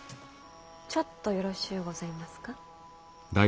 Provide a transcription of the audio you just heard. ちょっとよろしゅうございますか？